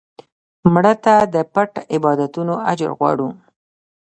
مړه ته د پټ عبادتونو اجر غواړو